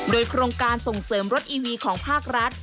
โดยโครงการส่งเสริมรถอีวีของภาครัฐ